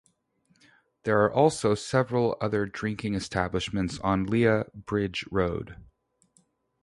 There are also several other drinking establishments on Lea Bridge Road.